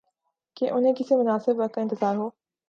کہ انہیں کسی مناسب وقت کا انتظار ہو۔